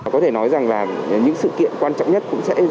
có thể nói rằng là những sự kiện quan trọng nhất